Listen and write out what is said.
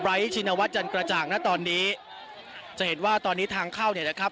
ชินวัฒนจันกระจ่างนะตอนนี้จะเห็นว่าตอนนี้ทางเข้าเนี่ยนะครับ